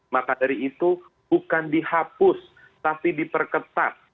maka dari itu bukan dihapus tapi diperketat